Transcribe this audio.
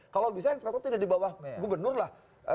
kalau bisa ekspektorat itu di bawah gubernur lah